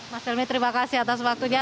mas delmi terima kasih atas waktunya